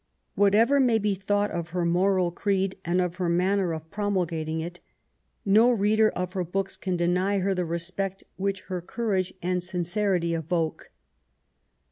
Whatever may be thought of her moral creed and of her manner of promulgating it, no reader of her books can deny her the respect which her courage and sin cerity evoke.